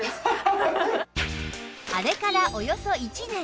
あれからおよそ１年